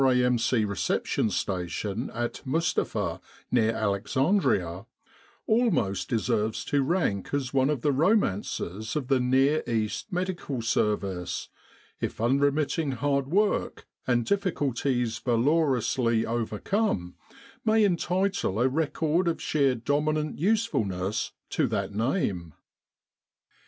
A.M.C. Reception Station at Mustapha, near Alexandria, almost deserves to rank as one of the romances of the Near East Medical Service, if unremitting 1 hard work, and difficulties valorously overcome, may entitle a record of sheer dominant usefulness to that name.